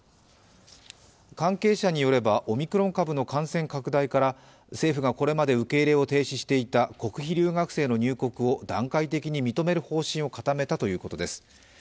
関係者によればオミクロン株の感染拡大から政府がこれまで受け入れを停止していた国費留学生の入国を段階的に認める方針を固めたということです。